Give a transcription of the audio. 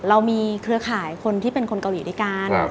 เรามีเครือข่ายคนที่เป็นคนเกาหลีด้วยกัน